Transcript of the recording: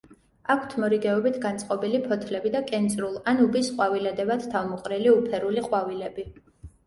აქვთ მორიგეობით განწყობილი ფოთლები და კენწრულ ან უბის ყვავილედებად თავმოყრილი უფერული ყვავილები.